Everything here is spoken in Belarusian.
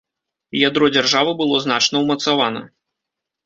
Ядро дзяржавы было значна ўмацавана.